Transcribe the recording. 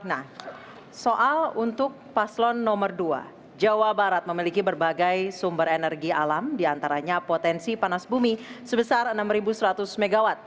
nah soal untuk paslon nomor dua jawa barat memiliki berbagai sumber energi alam diantaranya potensi panas bumi sebesar enam seratus mw